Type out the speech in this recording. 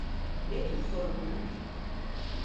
Ne tür sorunlar?